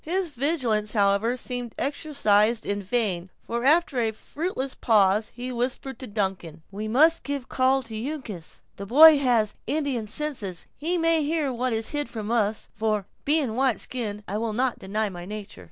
His vigilance, however, seemed exercised in vain; for after a fruitless pause, he whispered to Duncan: "We must give a call to Uncas. The boy has Indian senses, and he may hear what is hid from us; for, being a white skin, I will not deny my nature."